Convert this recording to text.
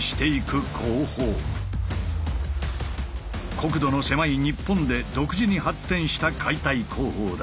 国土の狭い日本で独自に発展した解体工法だ。